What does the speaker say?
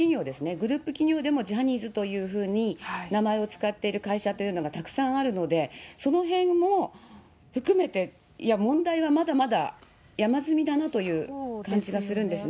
グループ企業でもジャニーズというふうに名前を使っている会社というのがたくさんあるので、そのへんも含めて、問題はまだまだ山積みだなという感じがするんですね。